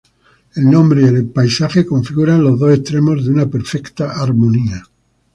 El hombre y el paisaje configuran los dos extremos de una perfecta armonía.